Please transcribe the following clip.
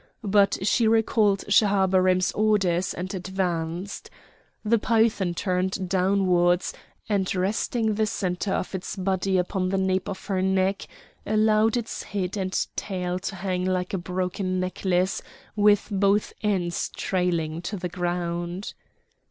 But she recalled Schahabarim's orders and advanced; the python turned downwards, and resting the centre of its body upon the nape of her neck, allowed its head and tail to hang like a broken necklace with both ends trailing to the ground.